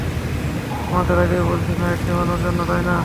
তোমাদের আগেই বলেছি লাইট নিভানোর জন্য, তাই না?